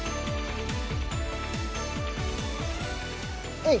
えい！